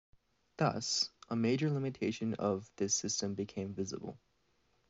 Thus, a major limitation of this system became visible.